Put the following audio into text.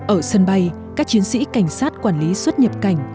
ở sân bay các chiến sĩ cảnh sát quản lý xuất nhập cảnh